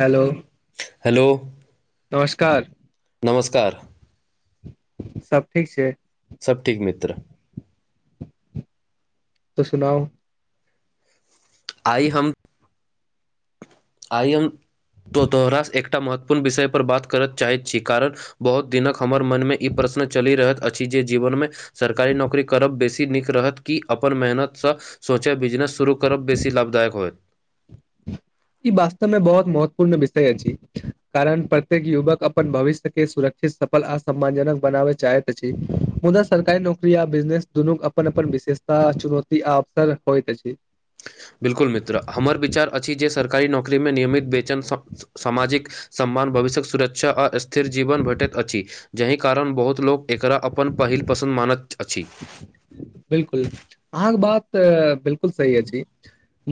Hello hello नमस्कार नमस्कार सब ठीक छैइ सब ठीक मित्र तऽ सुनाउ आइ हम आइ हम तों तोहरा से एकटा महत्वपूर्ण विषय पर बात करत चाहैत छी कारण बहुत दिनक हमर मनमे ई प्रश्न चलि रहत अछि जे जीवन में सरकारी नौकरी करब बेसी नीक रहत कि अपन मेहनतसँ सोचय बिजनेस सुरू करब बेसी लाभदायक होयत ई वास्तव में बहुत महत्वपूर्ण विषय अछि कारण प्रत्येक युवक अपन भविष्य के सुरक्षा सफल आ सम्मानजनक बनाबय चाहैत अछि मुदा सरकारी नौकरी आ बिजनेस दूनू अपन अपन विशेषता चुनौती आ अवसर होइत अछि कारी नौकरी मे नियमित वेचन सामाजिक सम्मान भविष्यक सुरक्षा आ स्थिर जीवन भेटत अछि जाहि कारण बहुत लोक एकरा अपन पहिल पसन्द मानत अछि बिलकुल अहाँके बात बिलकुल सही अछि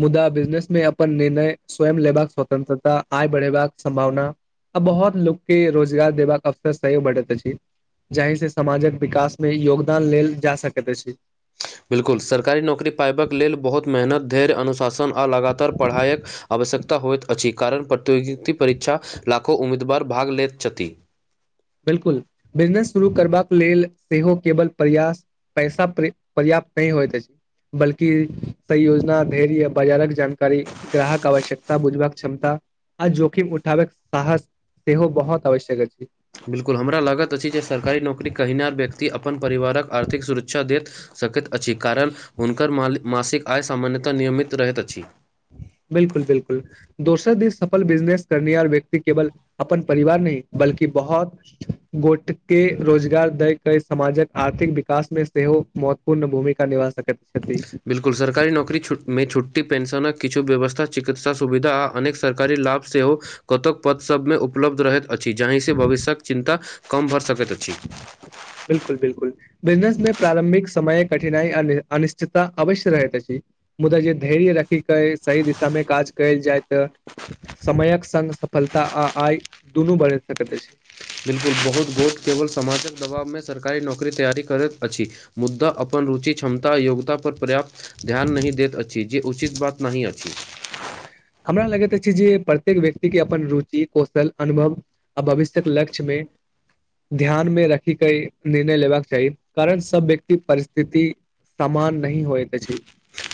मुदा बिजनेस में अपन निर्णय स्वयं लेबाक स्वतंत्रता आय बढ़ेबाक सम्भावना आ बहुत लोकके रोजगार देबाक अवसर सेहो भेटैत अछि जाहि से समाजक विकास में योगदान लेल जा सकैत अछि बिलकुल सरकारी नौकरी पायबाक लेल बहुत मेहनत धर्य अनुशासन आ लगातार पढ़ाईक अभ आवश्यकता होइत अछि कारण प्रत्योगिकी परीक्षा लाखो उ्मीदवार भाग लेत छथि बिलकुल बिजनेस शुरू करबाक लेल सेहो केवल प्रयास पैसा प्रयास नहि होइत अछि बल्कि संयोजना धैर्य बाजारक जानकारी ग्राहक आवश्यकता बुझबाक क्षमता आ जोखिम उठाबे के साहस सेहो बहुत आवश्यक अछि बिलकुल हमरा लागत अछि जे सरकारी नौकरी कहिनार व्यक्ति अपन परिवारक आर्थिक सुरक्षा देत सकैत अछि कारण हुनकर म मासिक आय सामान्यतः नियमित रहैत अछि बिलकुल बिलकुल दोस्त दि सफल बिजनेस करनिहार व्यक्ति केवल अपन परिवार नहि बल्कि बहुत गोट के रोजगार दय कर समाजक आर्थिक विकास में सेहो महत्वपूर्ण भूमिका निभा सकैत छथि बिलकुल सरकारी नौकरी छूट में छुट पेंशनक किछु व्यवस्था चिकित्सा सुविधा आ अनेक सरकारी लाभ सेहो कतक पद सबमें उप उलब्ध रहैत अछि जाहि से भविष्यक चिन्ता कम भ सक बिलकुल बिलकुल बिजनेस में प्रारंभिक समय कठिनाई आ अनिश्चितता अवश्य रहैत अछि मुदा जे धैर्य की कहे सही दिशा मे काज कयल जाय त समयक संग सफलता आ आय दुनू बढ़ि सकैत अछि बिल्कुल बहुत गोट केवल समाजक दबाव में सरकारी नौकरी तैयारी करैत अछि मुद्दा अपन रुचि क्षमता योग्यता पर्याप्त ध्यान नहि देैत अछि जे उचित बात नहि अछि [inaudible] हमरा लगैत अछि जे प्रत्येक व्यक्ति के अपन रुचि कौशल अनुभव आ भविष्य्यक लक्ष्य में [inaudible] ध्यानमे रखी के निर्णय लेबाक चाही कारण सब व्यक्ति परिस्थिति सामान नहिह होइ त छै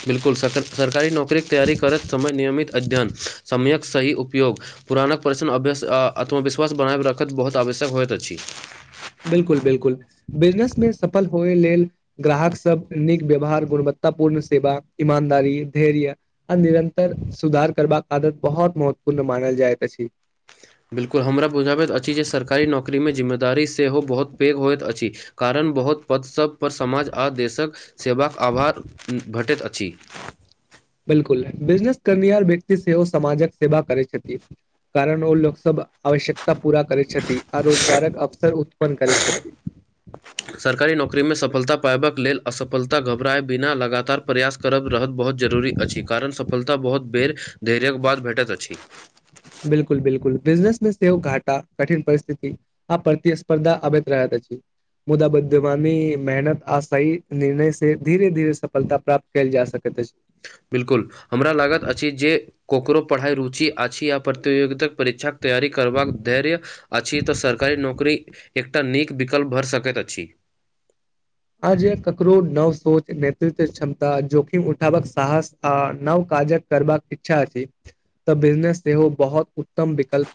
बिलकुल सरकारी नौकररीे तैयारी करैत समय नियमित अध्ययन समयक सही उपयोग पुरानक परिशण अभ्यास आ आत्मविश्वास बना रखैत बहुत आवश्यक होइत अछि बिलकुल बिलकुल बिजनेस मे सफल होय लेल ग्राहक सब नीक व्यवहार गुणवत्ता पूर्ण सेवा ईमानदारी धैर्य आ निरंतर सुधार करबाक आदत बहुत महत पूर्ण मानल जाइ अछि बिल्कुल हमरा बुझाबैत अछि जे सरकारी नौकरी मे जिम्मेदारी सेहो बहुत पैघ होइत अछि कारण बहुत पद सभ पर समाज आ देशक सेवाक आभार भेटैत अछि बिलकुल बिजनेस करनि आर व्यक्त सेहो समाजक सेवा करै छथि कारण ओ लोक सब आवश्यकता पूरा करै छथि आ रोजगारक अवसर उत्पन्न करै छथि सरकारी नौकरी मे सफलता पायबाक लेल असफलता घबराए बिना लगातार प्रयास करब रहत बहुत जरूरी अछि कारण सफलता बहुत बेर धैर्य बाद भेटैत अछि बिलकुल बिलकुल बिजनेस मे सेहोव घाटा कठिन परिस्थिति आब प्रतिस्पर्धा अबैत रहत [inaudible] मुदा विद्यमानी मेहनत आशाी निर्णय से धीरे धीरे सफलता प्राप्त कयल जा सकै [unintelligible] बिल्कुल हमरा लागत अछि जे ककरो पढ़ाई रुचि अछि आ प्रतियोगिताक परीक्षा तैयारी करबाक धैर्य अछि तऽ सरकारी नौकरी एकटा नीक विकल्प भर सकैत अछि [inaudible] आज ककरो नव सोच नेतृत्व क्षमता जोखिम उठावक साहस आथ नव क करबाक इच्छा अछि तऽ बिजनेस सेहो बहुत उत्तम विकल्प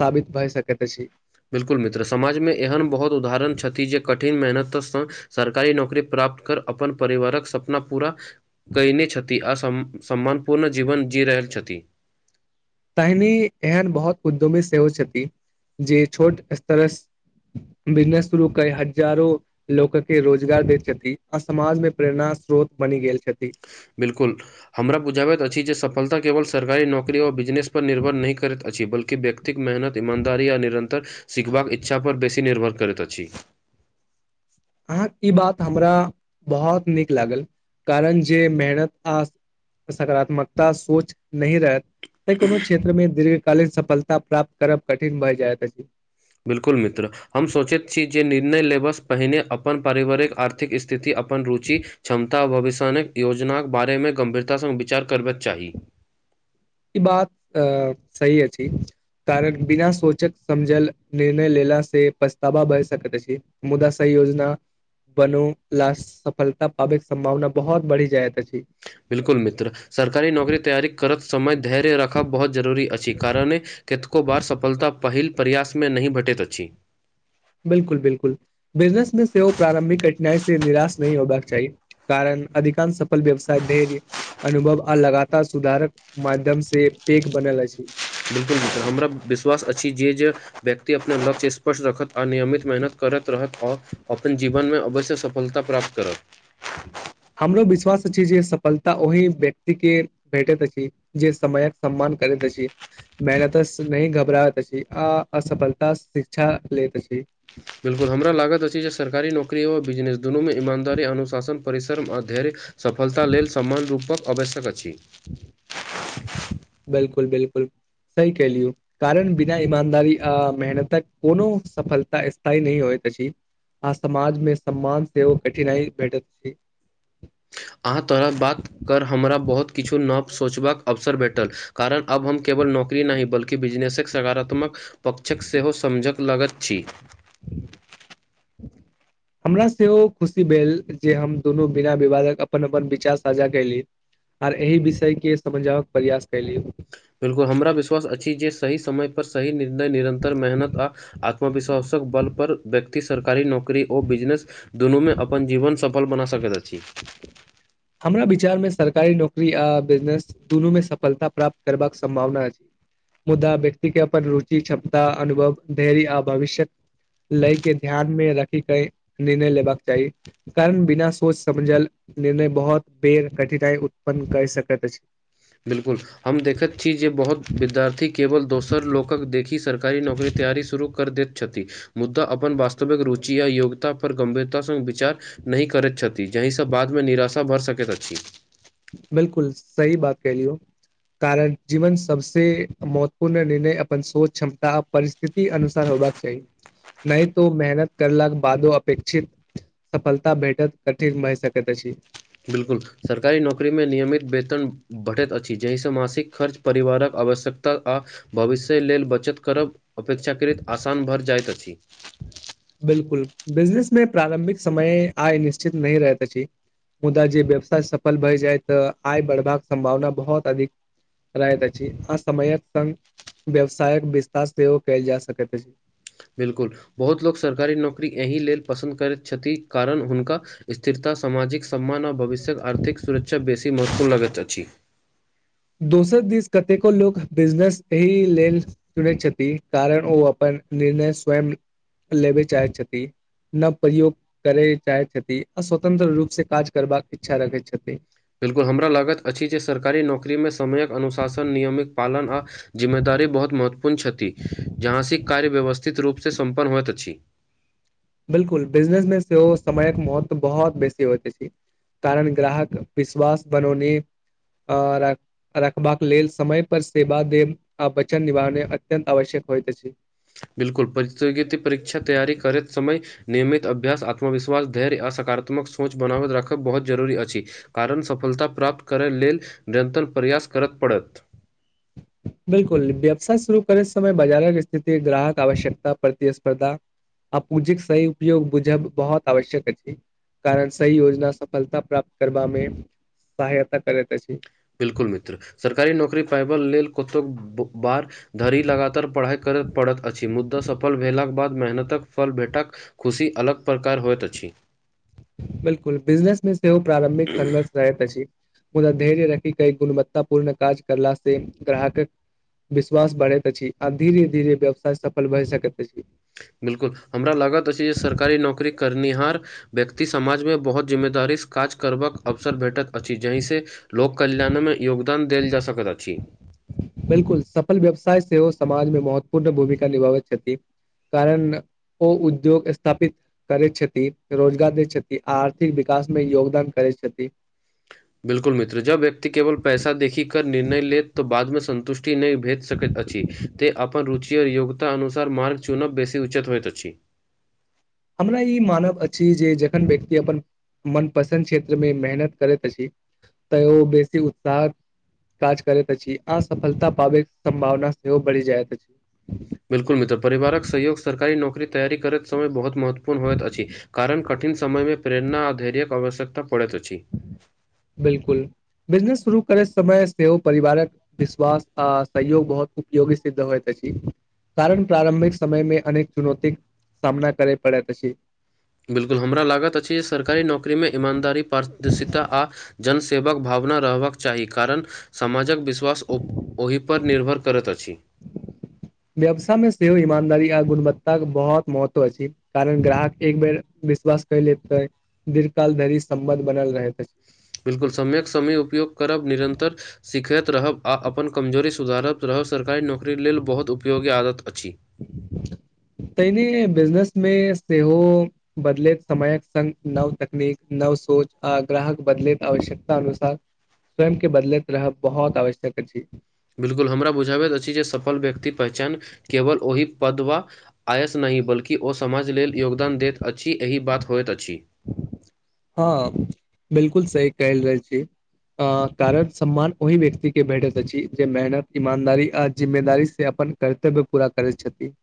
सााबित भए सक त अछि बिल्कुल मित्र समाजमे एहन बहुत उदाहरण छथि जे कठिन मेहनतसँ सरकारी नौकरी प्राप्त कर अपन परिवारक सपना पूरा कहि नहि छति आ सम्मानपूर्ण जीवन जी रहलल छथित तहिनी एहन बहुत उद्योमी सेहो छथि जे छोट स्तर बिजनेस शुरू क हजारो लोकके रोजगार दैत छथिन आ समाजमे प्रेरणा स्रोत बनि गेल छथि बिल्कुल हमरा बुझाबैत अछि जे सफलता केवल स सरकारी नौकरी व बिजनेस पर निर्भर नहि करैत अछि बल के व्यक्तिक मेहनत ईमानदारी आ निरन्तर सिखबाक इच्छापर बेसी निर्भर करैत अछि [unintelligible] अहाँके ई बात हमरा बहुत नीक लागल कारण जे मेहनत आ सकारात्मकता सोच नहि रहत तऽ कोनो क्षेत्रमे दीर्घ कालीन सफलता प्राप्त करब कठिन भए जायत अछि बिल्कुल मित्र हम सोचैत छी जे निर्णय लेबसँ पहिने अपन पारिवारिक आर्थिक स्थिति अपन अपन रुचि क्षमता भविष्य योजनाक बारेमे गम्भीरता सङ् विचार करबाक चाही ई बात अ सही अछि कारण बिना सोचक समझल निर्णय लेलास से पछतावा भय सकैत अछि मुदा सही योजना बनो ला सफलता पाबैके सम्भावना बहुत बढ़ि जायत अछि बिल्कुल मित्र सरकारी नौकरी तैयारी करत समय धैर्य रखब बहुत जरूरी अछि कारण कतको बार सफलता पहिल प्रयासमे नहि भटैत अछि बिल्कुल बिल्कुल बिजनेस मे सेहो प्रारंभिक कठिनाई से निराश नहि होबाक चाही कारण अधिकांश सफल व्यवसाय धैर्य अनुभव आ लगातार सुधारक माध्यम से पेक ब बनल अछि बिल्कुल बिल्कुल हमरा विश्वास अछि जे जे व्यक्ति अपना लक्ष्य स्पर्श रखत आ नियमित मेहनत कर करैत रहत आओ अपन जीवनमे अवश्य सफलता प्राप्त करत हमरो विश्वास अछि जे सफलता ओहि व्यक्तिके भेटैत अछि जे समयक सम्मान करैत छी मेहनत नहि घबराबैत अछि अ असफलता शिक्षा लैत छी बिल्कुल हमरा लागत अछि जे सरकारी नौकरी आओर बिजनेस दुनूमे ईमानदारी अनुशासन परिसरम अध्यन सफलता लेल समान्य रूपक आवश्यक अछि बिल्कुल बिल्कुल सी क लियौ कारण बिना ईमानदारी आ मेहनतक कोनो सफलता स्थायी नहि होय अछि आ समाजमे सम्मान सेहो कठिनाइ भेटैत अछि अहाँ तोरा बात कर हमरा बहुत किछु नव सोचबाक अवसर भेटल कारण अब हम केवल नौकरी नहि बल्कि बिजनेसक सकारात्मक पक्षक सेहो समझक लगत अछि हमरा सेहो खुशी भेल जे हम दुनू बिना विवादक अपन अपन विचार साझा कयली आर एहि विषय के समझाब प्रयास कलियौ बिल्कुल हमरा विश्वास अछि जे सही समय पर सही निर्णय निरन्तर मेहनत आ आत्मविश्वास बल पर व्यक्ति सरकारी नौकरी आओर बिजनेस दुनूमे अपन जीवन सफल बना सकैत अछि [unintelligible] हमरा विचार मे सरकारी नौकरी आ बिजनेस दुनू मे सफलता प्राप्त करबाक सम्भावना अछि मुदा व्यक्ति के अपन रुचि क्षमता अनुभव धैर्य आ भविष्यक लए के ध्यान मे रख क निर्णय लेबाक चाही कर्म बिना सोच समझल निर्णय बहुत बेर कठिनाइ उत्पन्न कर सकैत अछि बिल्कुल हम देखैत छी जे बहुत विद्यार्थी केवल दोसर लोकक देखि सरकारी नौकरी तैयारी शुरू कर दैत छथि मुद्दा अपन वास्तविक रुचि या योग्यता पर गंभीरतासँ विचार नहि करैत छथि जाहिसँ बादमे निराशा बढ़ सकैत अछि बिल्कुल सही बात क हलियै कारण जीवन सबस महत्वपूर्ण निर्णय अपन सोच क्षमता आ परिस्थिति अनुसार हो होबाक चाही नहि त मेहनत करलााक बादो अपेक्षित सफलता भेटत कठिन भहि सकैत अछि बिल्कुल सरकारी नौकरी मे नियमित वेतन बढ़ैत अछि जहिसँ मासासिक खर्च परिवारक आवश्यकता आ भविष्य लेल बच बचत करब अपेक्षा करैत आसान भर जाइत अछि बिल्कुल बिजनेस में प्रारम्भिक समय आइ निश्चित नहि रहैत अछि मुदा जे व्यवसाय सफल भए जाय तऽ आय बढ़बाक सम्भावना बहुत अधिक रहत आ समयक संग व्यवसायक विस्तार सेहो कएल जा सकैत अछि बिल्कुल बहुत लोक सरकारी नौकरी एहि लेल पसन्द करैत छथि कारण हुनका स्थिरता सामाजिक सम्मान आओर भविष्य्यक आर्थिक सुरक्षा बेसी महतपूर्ण लागैत अछि दोसर दिस कतेको लोको बिजनेस एहि लेल चुनैत छथिन कारण ओ अपन निर्णय स्वयं लेबे चाहै छथि नव प्रयोग करय चाहैत छथि आ स्वतंत्र रूपसँ काज करबाक इच्छा रखैत छथिन बिलकुल हमरा लागत अछि जे सरकारी नौकरीमे समयक अनुशासन नियमित पालन आ जिम्मेदार बहुत महत्वपूर्ण छथि जहाँस कार्य व्यवस्थित रूपसँ सम्पन्न होइत अछि बिलकुल बिजनेस मे सेहो समयक महत्व बहुत बेसी होइते छै कारण ग्राहक विश्वास बनौने रखबाक लेल समय पर सेवा देब आ वचन निभे अत्यन्त आवश्यक होइत छी बिल्कुल प्रतियोगिकी परीक्षा तैयार करैत समय नियमित अभ्यास आत्मवश्वास धैर्य आ सकारात्मक सोच बनाबैत राखब बहुत जरूरी अछि कारण सफलता प्राप्त करय लेल निरंतर प्रयास करत पड़त बिलकुल व्यवसाय शुरू करैत समय बाजारक स्थिति ग्राहक आवश्यकता प्रतिस्पर्धा आ पूँजीके सही उपयोग बुझब बहुत आवश्यक अछि कारण सी योजना सफलता प्राप्त करबामे सहायता करैत अछि बिलकुल मित्र सरकारी नौकरी पायब लेल कतो बार धरि लगातार पढ़ाई कर पड़ैत अछि मुद्दा सफल भेलाक बाद मेहनतक फल भेटाक खुशी अलग प्रकार होइत अछि [inaudible] बिल्कुल बिजनेस मे सेहो प्रारम्भिक संघर्ष रहैत अछि उदा धैर्य रखी कई गुणवत्तापूर्ण काज करला से ग्राहकक विश्वास बढ़ेत अछि आब धीरे धीरे व्यवसाय सफल भए सकत बिल्कुल हमरा लागत अछि जे सरकारी नौकरी करनिहार व्यक्ति समाजमे बहुत जिम्मेदारीसे काज करबाक अवसर भेटत अछ जहि से लोक कल्याणमे योगदान देल जा सकथ अछि बिल्कुल सफल व्यवसाय सेहो समाजमे महत्वपूर्ण भूमिका निभाबैत छथि कारण ओ उद्योग स्थापित करैत छथि रोजगार दैत छथिन आ आर्थिक विकास मे योगदान करै छथि बिल्कुल मित्र जब व्यक्ति केवल पैसा देखी क निर्णय लेत तऽ बादमे संन्तुष्ट नहि भे सकैत अछि त अपन रुचि आर योग्यता अनुसार मार्ग चुनब बेसी उचत होइत अछि [inaudible] हमरा ई मानव अछि जे जखन व्यक्ति अपन मनपसन्द क्षेत्रमे मेहनत करैत अछि तऽ ओ बेसी उत्साह काज करैत अछि आ सफलता पाबै संभावना सेहो बढ़ि जाइत अछि बिल्कुल मित्र परिवारक सहयोग सरकारी नौकरी तैयारी करैत समय बहुत महत्वपूर्ण होइत अछि कारण कट कठिन समयमे प्रेरणा आ धैर्यक आवश्यकता पड़ैत अछि बिल्कुल बिजनेस शुरू करे समय सेहो परिवारक विश्वास आ सहयोग बहुत उपयोगी सिद्ध होइत अछि कारण प्रारम्भिक समय मे अनेक चुनौतीक सामना करय पड़ैत अछि बिल्कुल हमरा लागत अछि जे सरकारी नौकरीमे ईमानदारी पारदर्शिता आ जन सेेवाक भावना रहबाक चाही कारण समाजक विश्वास ओह ओहिपर निर्भर करैत छी व्यवसा मे सेहो ईमानदारी आ गुणवत्ताक के बहुत महत्व अछि कारण ग्राहक एक बेर विश्वास क लेबे दीर्घ काल सम्बंध बनल रहेत बिल्कुल समयक समय उपयोग करब निरन्तर सिखैत रहब आ अपन कमजोरी सुधारत रहब सरकारी नौकरी लेल बहुत उपयोगी आदत अछि। तहिनी बिजनेस मे सेहो बदलैत समयक संग नव तकनीक नव सोच आ ग्राहक बदल बदलैत आवश्यकता अनुसार स्वयं के बदलैत रहब बहुत आवश्यक अछि बिल्कुल हमरा बुझाबैत अछि जे सफल व्यक्ति पहचान केवल ओहि पद वा आयस नहि बल्कि ओ समाज लेल योगदान दैत अछि एहि बात होइत अछि। हाँ बिल्कुल सही कहल अछी अ कारक सम्मान ओहि व्यक्ति के भेटैत अछि जे मेहनत ईमानदारी आ जिम्मेदी से अपन कर्तव्य पूरा करै छथि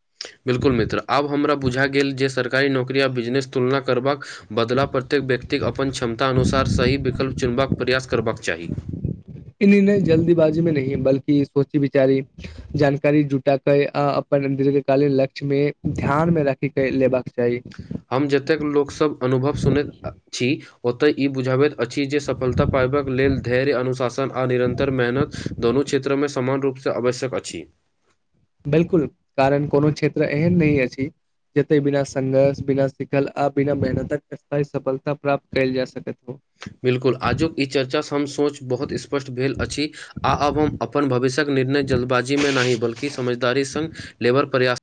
बिल्कुल मित्र आब हमरा बुझा गेल जे सरकारी नौकरी आ बिजनेस तुलना करबाक बदलाव प्रत व्यक्तिक अपन क्षमता अनुसार सही विकल्प चुनबाक प्रयास करबाक चाही नहि जल्दीबाजी मे नहि बल्कि सोची बिचारी जानकारी जुटा के आ अपन दीर्घकालीन लक्ष्य मे ध्यान मे राखी के लेबाक चाही हम जतेक लोकसब अनुभव सुनैत छी ओतय ई बुझाबैत अछि जे सफलता पाइ लेल धैर्य अनुशासन आ निरन्तर मेहनत दोनू क्षेत्र मे समान रूपसे आवश्यक अछि [inaudible] बिल्कुल कारण कोनो क्षेत्र एहन नहि अछि जते बिना संघर्ष बिना शिखल आ बिना मेहनतक स्थायी सफलता प्राप्त कैल जा सकत हो बिल्कुल आजुक ई चर्चा हम सोच बहुत स्पष्ट भेल अछि आ आब हम अपन भविष्यक निर्णय जल्दबाजी मे नहि बल्कि समझदारी संघ लेबर प्रयास